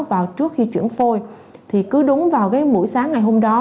vào trước khi chuyển phôi thì cứ đúng vào cái buổi sáng ngày hôm đó